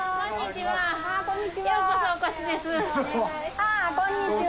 あこんにちは。